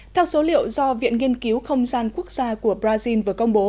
theo số liệu do viện nghiên cứu không gian quốc gia của brazil vừa công bố